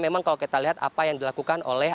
memang kalau kita lihat apa yang dilakukan oleh